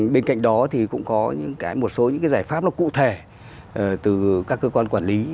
bên cạnh đó thì cũng có những cái một số những cái giải pháp nó cụ thể từ các cơ quan quản lý